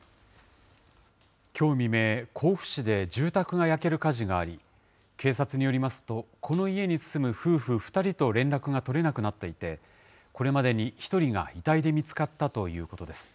きょう未明、甲府市で住宅が焼ける火事があり、警察によりますと、この家に住む夫婦２人と連絡が取れなくなっていて、これまでに１人が遺体で見つかったということです。